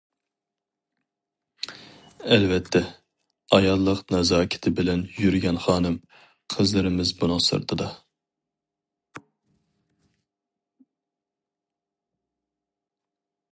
ئەلۋەتتە، ئاياللىق نازاكىتى بىلەن يۈرگەن خانىم، قىزلىرىمىز بۇنىڭ سىرتىدا.